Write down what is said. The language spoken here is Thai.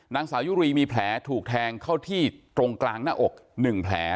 นางสาวยุรีมีแผลถูกแทงเข้าที่ตรงกลางหน้าอก๑แผล